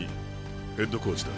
ヘッドコーチだ。